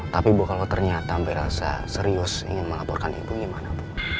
tapi bu kalau ternyata mbak esa serius ingin melaporkan ibu gimana bu